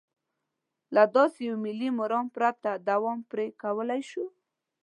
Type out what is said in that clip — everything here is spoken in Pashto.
له داسې یوه ملي مرام پرته دوا پرې کولای شو.